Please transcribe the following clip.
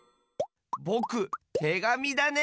ぼくてがみだね！